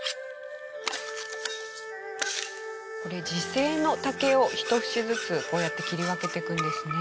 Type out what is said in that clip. これ自生の竹をひと節ずつこうやって切り分けていくんですね。